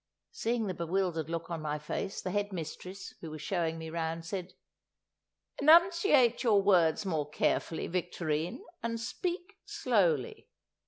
Seeing the bewildered look on my face, the head mistress, who was showing me round, said, "Enunciate your words more carefully, Victorine, and speak slowly."